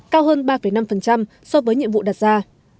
cao hơn ba năm so với nhiệm vụ đặt ra